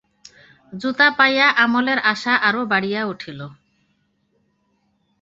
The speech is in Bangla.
জুতা পাইয়া অমলের আশা আরো বাড়িয়া উঠিল।